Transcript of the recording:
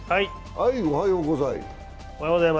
おはようございます。